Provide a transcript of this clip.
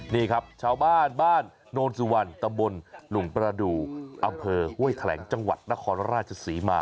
นี่ครับชาวบ้านบ้านนศวรรณตมบลหลวงประดูร์อำเภอเว้วเทลงจังหวัดนโครลราชสีมา